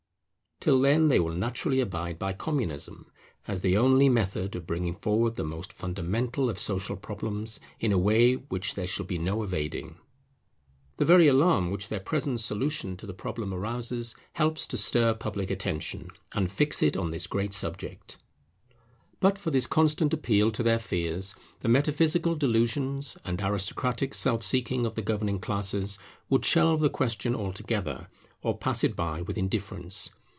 Till then they will naturally abide by Communism, as the only method of bringing forward the most fundamental of social problems in a way which there shall be no evading. The very alarm which their present solution of the problem arouses helps to stir public attention, and fix it on this great subject. But for this constant appeal to their fears, the metaphysical delusions and aristocratic self seeking of the governing classes would shelve the question altogether, or pass it by with indifference.